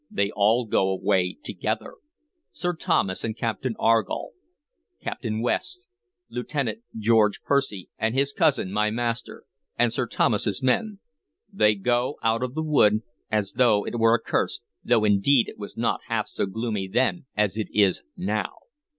"They all go away together, Sir Thomas and Captain Argall, Captain West, Lieutenant George Percy and his cousin, my master, and Sir Thomas's men; they go out of the wood as though it were accursed, though indeed it was not half so gloomy then as it is now.